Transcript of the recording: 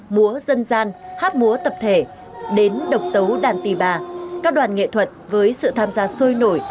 múa dân gian hát múa tập thể đến độc tấu đàn tì bà các đoàn nghệ thuật với sự tham gia sôi nổi